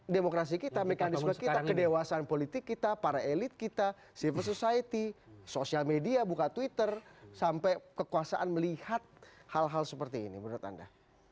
demokrasi kita mekanisme kita kedewasaan politik kita para elit kita civil society sosial media buka twitter sampai kekuasaan melihat hal hal seperti ini menurut anda